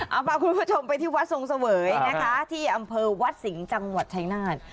เอาพาคุณผู้ชมไปที่วัดทรงเสวยนะคะที่อำเภอวัดสิงห์จังหวัดชายนาฏ